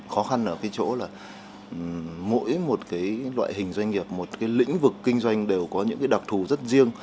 khó khăn ở cái chỗ là mỗi một loại hình doanh nghiệp một lĩnh vực kinh doanh đều có những đặc thù rất riêng